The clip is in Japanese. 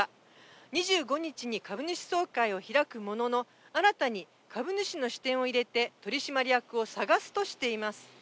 ２５日に株主総会を開くものの、新たに株主の視点を入れて取締役を探すとしています。